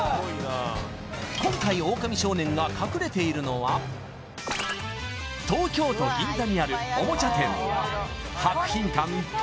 今回オオカミ少年が隠れているのは東京都銀座にあるおもちゃ店